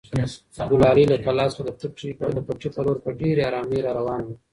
ګلالۍ له کلا څخه د پټي په لور په ډېرې ارامۍ راروانه وه.